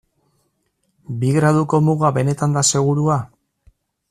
Bi graduko muga benetan da segurua?